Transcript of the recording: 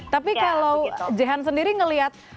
tapi kalau jahan sendiri ngelihat